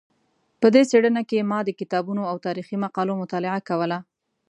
په دې څېړنه کې ما د کتابونو او تاریخي مقالو مطالعه کوله.